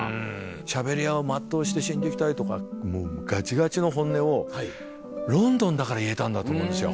しゃべり屋を全うして死んでいきたいとかもうガチガチの本音をロンドンだから言えたんだと思うんですよ。